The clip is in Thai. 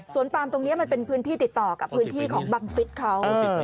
ปาล์มตรงนี้มันเป็นพื้นที่ติดต่อกับพื้นที่ของบังฟิศเขา